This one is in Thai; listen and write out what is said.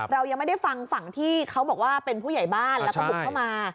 เรายังไม่ได้ฟังฝั่งที่เขาบอกว่าเป็นผู้ใหญ่บ้านแล้วก็บุกเข้ามา